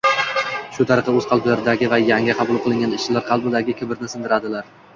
Shu tariqa oʻz qalblaridagi va yangi qabul qilingan ishchilar qalbidagi kibrni sindiradilar.